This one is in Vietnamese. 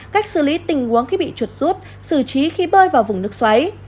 cách xử lý tình huống khi bị chuột rút xử trí khi bơi vào vùng nước xoáy